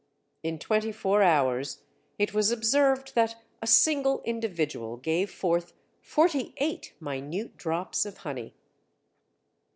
In twenty four hours it was observed that a single individual gave forth forty eight minute drops of honey.